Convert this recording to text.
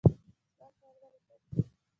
سوال کول ولې بد دي؟